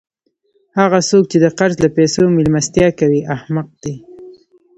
هغه څوک، چي د قرض له پېسو میلمستیا کوي؛ احمق دئ!